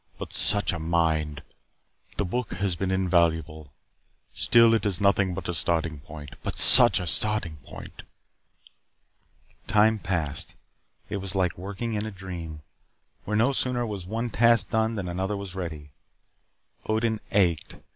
But such a mind! The book has been invaluable. Still, it is nothing but a starting point but such a starting point!" Time passed. It was like working in a dream, where no sooner was one task done than another was ready. Odin ached.